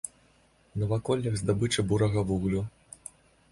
У наваколлях здабыча бурага вугалю.